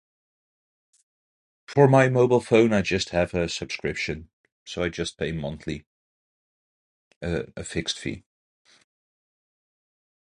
For my mobile phone, I just have a subscription. So, I just pay monthly, uh, a fixed fee.